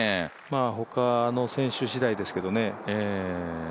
他の選手次第ですけどね。